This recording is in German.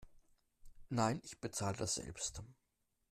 Nein, ich bezahle das selbst.